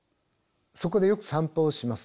そこでよく散歩をします。